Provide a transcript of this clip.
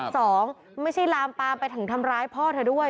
สองไม่ใช่ลามปามไปถึงทำร้ายพ่อเธอด้วย